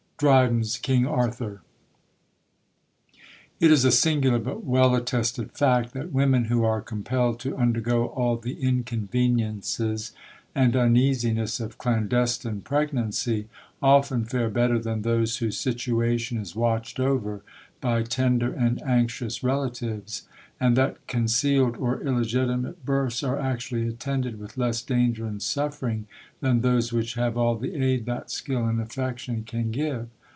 DRYDEN'S KING ARTHUR 'It is a singular, but well attested fact, that women who are compelled to undergo all the inconveniences and uneasiness of clandestine pregnancy, often fare better than those whose situation is watched over by tender and anxious relatives; and that concealed or illegitimate births are actually attended with less danger and suffering than those which have all the aid that skill and affection can give.